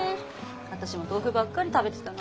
私も豆腐ばっかり食べてたな。